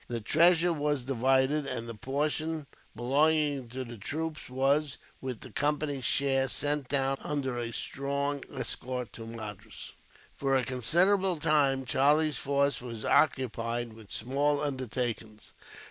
The treasure was divided, and the portion belonging to the troops was, with the Company's share, sent down under a strong escort to Madras. For a considerable time, Charlie's force were occupied with small undertakings.